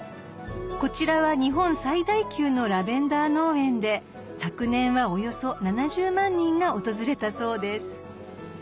こちらは日本最大級のラベンダー農園で昨年はおよそ７０万人が訪れたそうです